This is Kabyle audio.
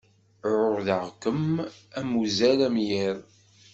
Ɛuhdeɣ-kem am uzal am yiḍ.